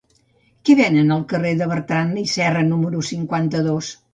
Què venen al carrer de Bertrand i Serra número cinquanta-dos?